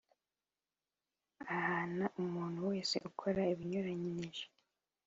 Ahana umuntu wese ukora ibinyuranije